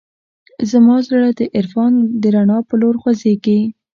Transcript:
زما زړه د عرفان د رڼا په لور خوځېږي.